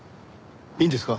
いいんですか？